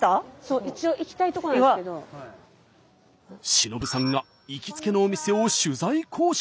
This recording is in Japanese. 忍さんが行きつけのお店を取材交渉。